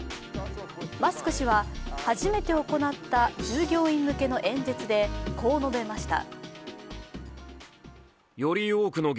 マスク氏は初めて行った従業員向けの演説でこう述べました。